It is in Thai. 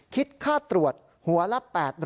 คิดค่าตรวจหัวละ๘๐๐